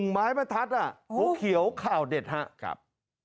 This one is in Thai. ไม้ประทัดหัวเขียวข่าวเด็ดครับ